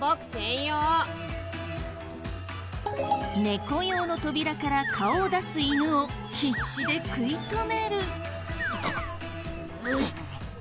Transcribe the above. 猫用の扉から顔を出す犬を必死で食い止める。